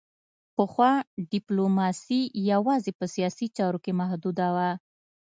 پخوا ډیپلوماسي یوازې په سیاسي چارو محدوده وه